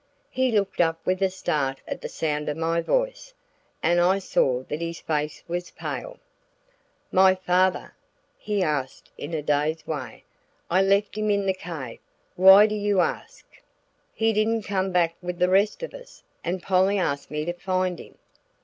He looked up with a start at the sound of my voice, and I saw that his face was pale. "My father?" he asked in a dazed way. "I left him in the cave. Why do you ask?" "He didn't come back with the rest of us, and Polly asked me to find him."